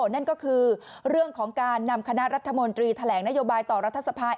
นั่นก็คือเรื่องของการนำคณะรัฐมนตรีแถลงนโยบายต่อรัฐสภา